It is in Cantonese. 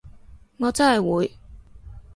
我真係會